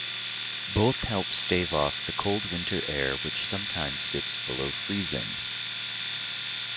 Both help stave off the cold winter air which sometimes dips below freezing.